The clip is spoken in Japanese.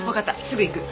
すぐ行く。